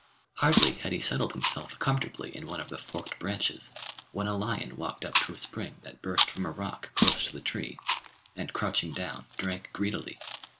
Hardly had he settled himself comfortably in one of the forked branches, when a lion walked up to a spring that burst from a rock close to the tree, and crouching down drank greedily.